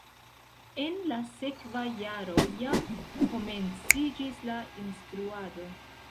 En la sekva jaro jam komenciĝis la instruado.